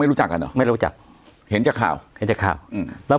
รู้จักกันเหรอไม่รู้จักเห็นจากข่าวเห็นจากข่าวอืมแล้ว